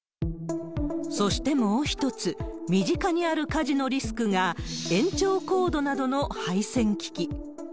そしてもう一つ、身近にある火事のリスクが、延長コードなどの配線機器。